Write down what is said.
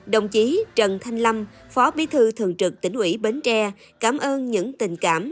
đồng chí trần thanh lâm phó bí thư thường trực tỉnh ủy bến tre cảm ơn những tình cảm